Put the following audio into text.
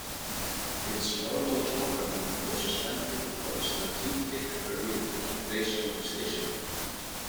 Its normal programming was suspended while a strategic review took place on the station.